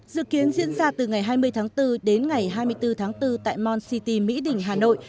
dự kiến diễn ra từ ngày hai mươi tháng bốn đến ngày hai mươi bốn tháng bốn tại mon city mỹ đình hà nội